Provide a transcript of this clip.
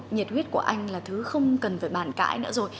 nhiệt huyết của anh là thứ không cần phải bàn cãi nữa rồi